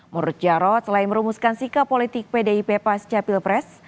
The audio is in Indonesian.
menurut jarod selain merumuskan sikap politik pdip pas capil pres